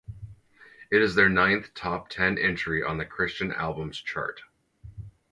It is their ninth top ten entry on the Christian Albums chart.